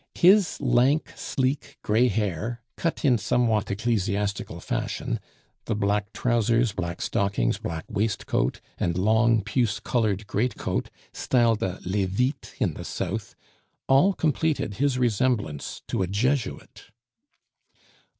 His lank, sleek gray hair, cut in somewhat ecclesiastical fashion; the black trousers, black stockings, black waistcoat, and long puce colored greatcoat (styled a levite in the south), all completed his resemblance to a Jesuit.